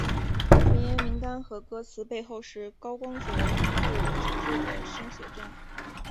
人员名单和歌词背后是高光泽度纸质的生写真。